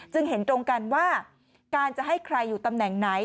เห็นตรงกันว่าการจะให้ใครอยู่ตำแหน่งไหน